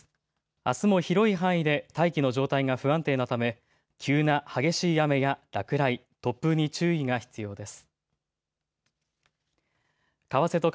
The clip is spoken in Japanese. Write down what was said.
あすも広い範囲で大気の状態が不安定なため急な激しい雨や落雷、突風に注意が必要です。